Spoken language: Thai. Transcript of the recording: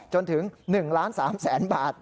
จนถึง๑๓๐๐๐๐๐บาท